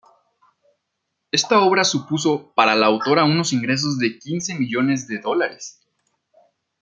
Esta obra supuso para la autora unos ingresos de quince millones de dólares.